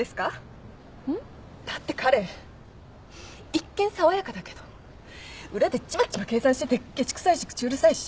んっ？だって彼一見爽やかだけど裏でちまちま計算しててケチくさいし口うるさいし。